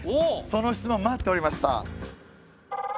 その質問待っておりました。